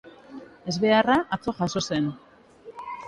Ezbeharra atzo jazo zen.